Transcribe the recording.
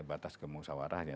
saya batas ke musyawarahnya